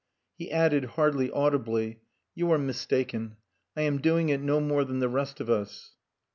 He added hardly audibly "You are mistaken. I am doing it no more than the rest of us."